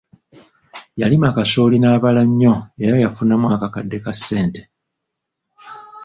Yalima kasooli n'abala nnyo era yafunamu akakadde ka ssente.